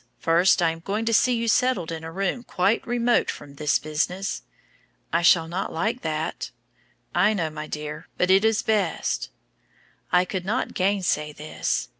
First, I am going to see you settled in a room quite remote from this business." "I shall not like that." "I know, my dear, but it is best." I could not gainsay this.